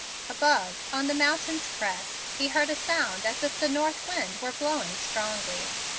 Above, on the mountain's crest, he heard a sound as if the north wind were blowing strongly.